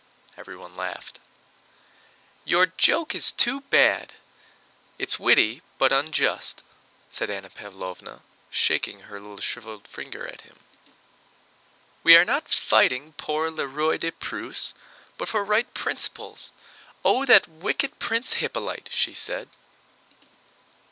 Everybody laughed. "Your joke is too bad, it's witty but unjust," said Anna Pávlovna, shaking her little shriveled finger at him. "We are not fighting pour le Roi de Prusse, but for right principles. Oh, that wicked Prince Hippolyte!" she said.